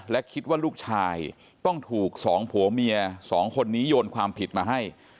และคิดว่าลูกชายต้องถูกสองผัวเมียสองคนนี้โยนความผิดมาให้